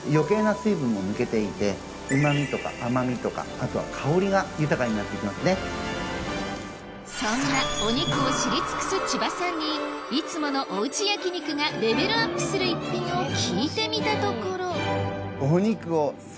特別な冷蔵庫でさらにこれがそんなお肉を知り尽くす千葉さんにいつものおうち焼き肉がレベルアップする逸品を聞いてみたところえっ？